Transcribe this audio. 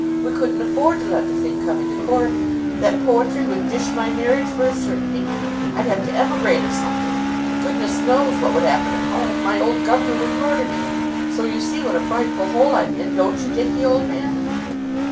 We couldn't afford to let the thing come into court. That poetry would dish my marriage for a certainty. I'd have to emigrate or something! Goodness knows what would happen at home! My old gov'nor would murder me! So you see what a frightful hole I'm in, don't you, Dickie, old man?"